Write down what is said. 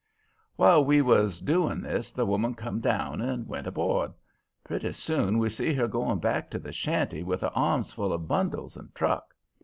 "While we was doing this the woman come down and went aboard. Pretty soon we see her going back to the shanty with her arms full of bundles and truck.